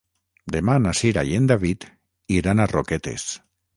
Demà na Cira i en David iran a Roquetes.